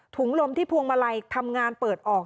ลมที่พวงมาลัยทำงานเปิดออก